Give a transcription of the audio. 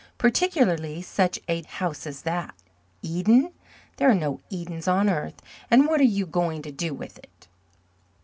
Particularly such a house as that. Eden! There are no Edens on earth. And what are you going to do with it?"